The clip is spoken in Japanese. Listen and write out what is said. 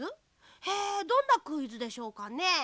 へえどんなクイズでしょうかね？